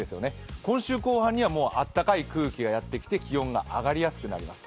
今週後半には暖かい空気がやってきて気温が上がりやすくなります。